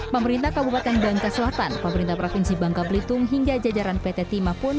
pemerintah kabupaten bangka selatan pemerintah provinsi bangka belitung hingga jajaran pt timah pun